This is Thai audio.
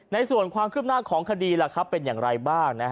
ในส่วนความขึ้นหน้าของคดีเป็นอย่างไรบ้าง